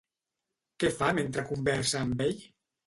Què fa mentre conversa amb ell?